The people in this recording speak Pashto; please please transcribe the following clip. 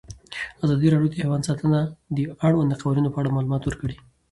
ازادي راډیو د حیوان ساتنه د اړونده قوانینو په اړه معلومات ورکړي.